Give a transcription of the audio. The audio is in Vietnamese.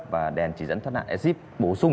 và đèn chỉ dẫn thoát nạn sz